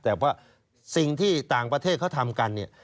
แต่ว่าสิ่งที่ต่างประเทศเขาทำกันเนี่ย